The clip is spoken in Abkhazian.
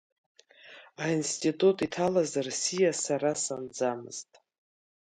Аинститут иҭалаз рсиа сара санӡамызт.